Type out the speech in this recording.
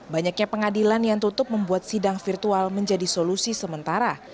banyaknya pengadilan yang tutup membuat sidang virtual menjadi solusi sementara